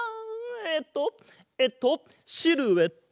えっとえっとシルエット！